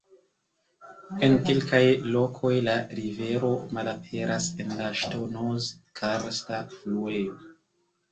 En kelkaj lokoj la rivero "malaperas" en la ŝtonoz-karsta fluejo.